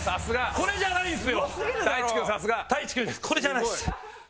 これじゃないです。